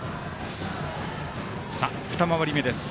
２回り目です。